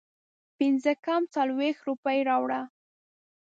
پنځه کم څلوېښت روپۍ راوړه